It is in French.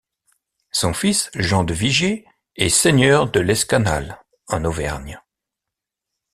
Son fils, Jean de Vigier, est seigneur de L’Escanal, en Auvergne.